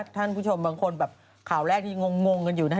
ท่านผู้ชมบางคนแบบข่าวแรกที่ยังงงกันอยู่นะ